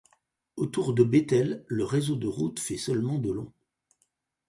Autour de Bethel le réseau de route fait seulement de long.